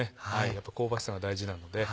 やっぱ香ばしさが大事なので。